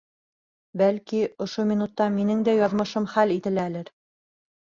Бәлки, ошо минутта минең дә яҙмышым хәл ителәлер.